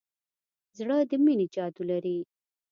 زړه د مینې جادو لري.